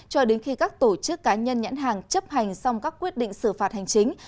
cho đến khi các tổ chức cá nhân nhãn hàng chấp hành xong các quyết định xử phạt hành chính